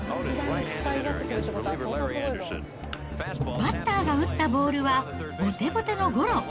バッターが打ったボールはぼてぼてのゴロ。